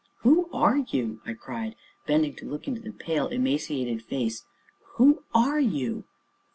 "Who are you?" I cried, bending to look into the pale, emaciated face; "who are you?"